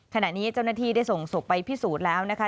ขณะนี้เจ้าหน้าที่ได้ส่งศพไปพิสูจน์แล้วนะคะ